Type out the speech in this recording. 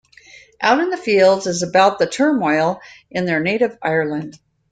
"Out in the Fields" is about the turmoil in their native Ireland.